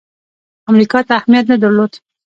امریکا ته اهمیت نه درلود.